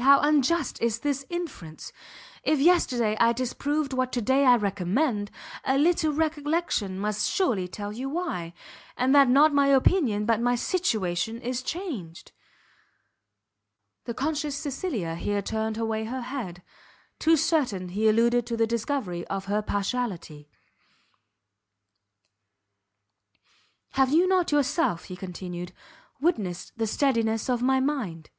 how unjust is this inference! If yesterday I disapproved what to day I recommend, a little recollection must surely tell you why; and that not my opinion, but my situation is changed." The conscious Cecilia here turned away her head; too certain he alluded to the discovery of her partiality. "Have you not yourself," he continued, "witnessed the steadiness of my mind?